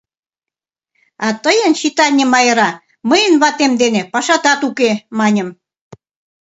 — А тыйын, читальне Майра, мыйын ватем дене пашатат уке, — маньым.